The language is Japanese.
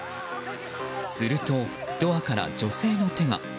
するとドアから女性の手が。